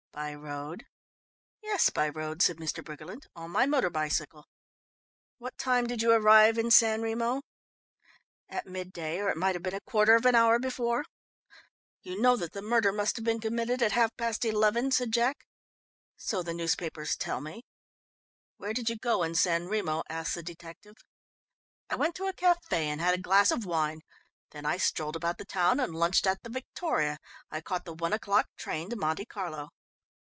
"By road?" "Yes, by road," said Mr. Briggerland, "on my motor bicycle." "What time did you arrive in San Remo?" "At midday, or it may have been a quarter of an hour before." "You know that the murder must have been committed at half past eleven?" said Jack. "So the newspapers tell me." "Where did you go in San Remo?" asked the detective. "I went to a café and had a glass of wine, then I strolled about the town and lunched at the Victoria. I caught the one o'clock train to Monte Carlo."